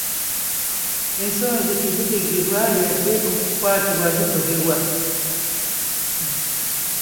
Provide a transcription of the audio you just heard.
Ensonzi tezitegebwa yadde okukwatibwa zitogebwa.